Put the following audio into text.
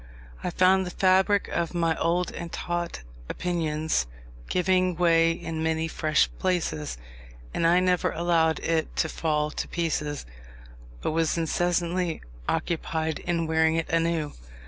I found the fabric of my old and taught opinions giving way in many fresh places, and I never allowed it to fall to pieces, but was incessantly occupied in weaving it anew.